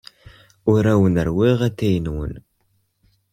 Ur awen-rewwiɣ atay-nwen.